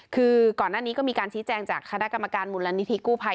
คือก่อนหน้านี้ก็มีการชี้แจงจากคณะกรรมการมูลนิธิกู้ภัย